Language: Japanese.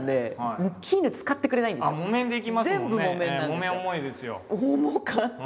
木綿重いですよ。